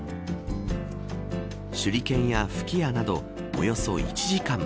手裏剣や吹き矢などおよそ１時間。